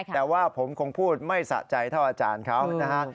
แต่ว่าผมคงพูดไม่สะใจเท่าอาจารย์เขานะฮะ